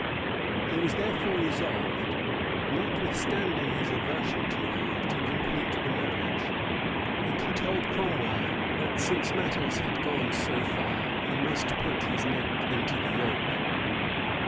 * Stowe, p. 579. {1540.} He was therefore resolved, notwithstanding his aversion to her, to complete the marriage; and he told Cromwell, that, since matters had gone so far, he must put his neck into the yoke.